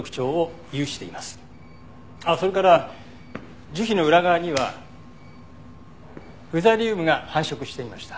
それから樹皮の裏側にはフザリウムが繁殖していました。